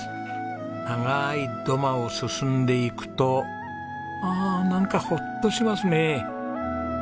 長い土間を進んでいくとああなんかホッとしますね。